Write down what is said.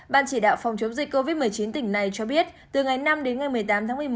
ban chỉ đạo phòng chống dịch covid một mươi chín tỉnh này cho biết từ ngày năm đến ngày một mươi tám tháng một mươi một